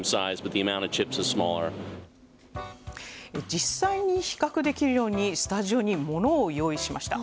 実際に比較できるようにスタジオに、ものを用意しました。